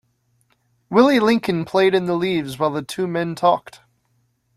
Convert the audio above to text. Willie Lincoln played in the leaves while the two men talked.